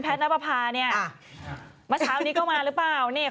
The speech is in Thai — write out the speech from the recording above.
เป็นดาราแล้วมีลูก